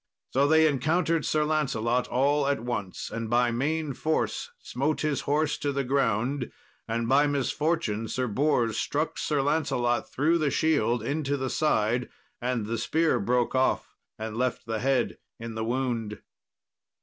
So they encountered Sir Lancelot all at once, and by main force smote his horse to the ground; and by misfortune Sir Bors struck Sir Lancelot through the shield into the side, and the spear broke off and left the head in the wound.